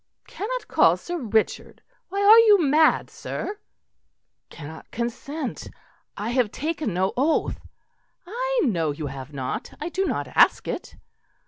"Cannot call Sir Richard! Why, you are mad, sir!" "Cannot consent; I have taken no oath." "I know you have not. I do not ask it."